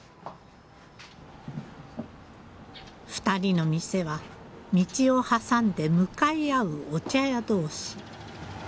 ２人の店は道を挟んで向かい合うお茶屋同士。